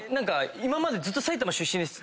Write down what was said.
今までずっと埼玉出身です